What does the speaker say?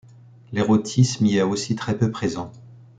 L'érotisme y est aussi très peu présent.